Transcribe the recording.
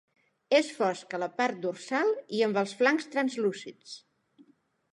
És fosc a la part dorsal i amb els flancs translúcids.